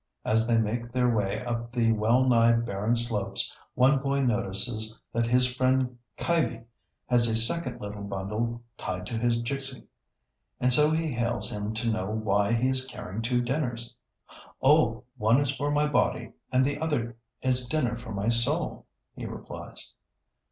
As they make their way up the well nigh barren slopes, one boy notices that his friend Kaiby has a second little bundle tied to his jikcey, and so he hails him to know why he is carrying two dinners. "Oh, one is for my body, and the other is dinner for my soul," he replies.